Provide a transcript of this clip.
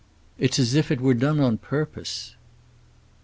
It's as if it were done on purpose."